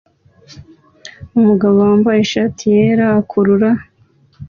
Umugabo wambaye ishati yera akurura